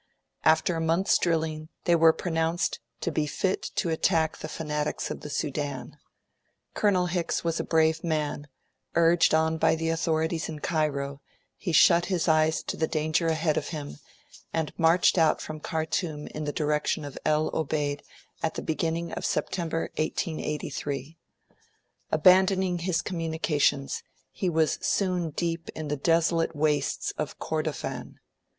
After a month's drilling, they were pronounced to be fit to attack the fanatics of the Sudan. Colonel Hicks was a brave man; urged on by the authorities in Cairo, he shut his eyes to the danger ahead of him, and marched out from Khartoum in the direction of El Obeid at the beginning of September, 1883. Abandoning his communications, he was soon deep in the desolate wastes of Kordofan.